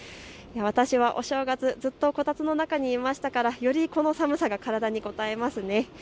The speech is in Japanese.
私はお正月ずっとこたつの中にいましたから、より寒さが体にこたえますね。